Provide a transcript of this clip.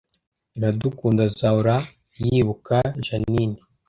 Iradukunda azahora yibuka Jeaninne